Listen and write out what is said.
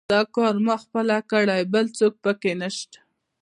دا کار ما پخپله کړی، بل څوک پکې نشته.